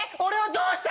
どうした？